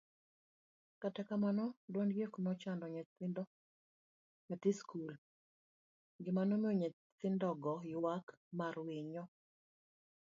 kata kamano duondgi ok nochando nyithi skul, gima nomiyo nyithindogo ywak mar winyo